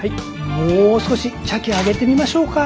もう少し茶器上げてみましょうか。